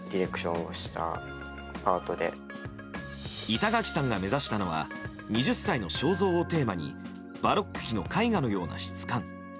板垣さんが目指したのは２０歳の肖像をテーマにバロック期の絵画のような質感。